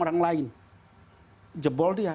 orang lain jebol dia